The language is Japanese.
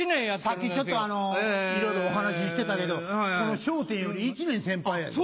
さっきちょっといろいろお話ししてたけどこの『笑点』より１年先輩やで。